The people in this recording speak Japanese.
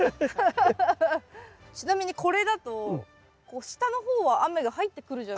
ちなみにこれだと下の方は雨が入ってくるじゃないですか。